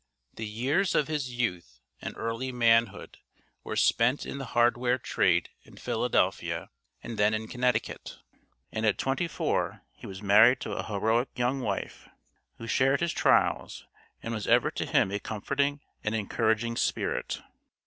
The years of his youth and early manhood were spent in the hardware trade in Philadelphia and then in Connecticut; and at twenty four he was married to a heroic young wife, who shared his trials, and was ever to him a comforting and encouraging spirit.